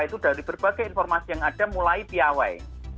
itu dari berbagai informasi yang ada mulai piawai